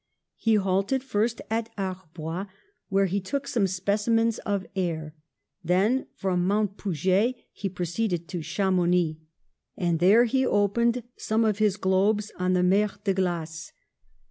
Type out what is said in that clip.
He halted first at Ar bois, where he took some specimens of air ; then from Mount Poujet he proceeded to Chamou nix, and there he opened some of his globes on the Mer de Glace.